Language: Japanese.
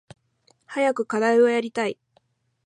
早く課題をやりたい。